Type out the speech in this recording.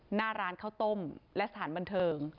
หน้าร้านข้าวต้มและสถานบันเทิง